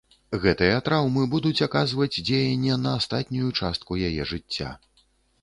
Гэтыя траўмы будуць аказваць дзеянне на астатнюю частку яе жыцця.